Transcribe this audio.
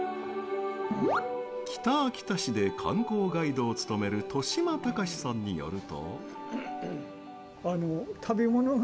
北秋田市で観光ガイドを務める戸嶋喬さんによると。